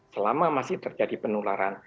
selama masih terjadi penularan